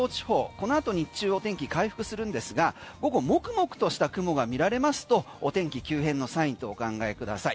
このあと日中お天気回復するんですが午後黙々とした雲がみられますとお天気急変のサインとお考えください。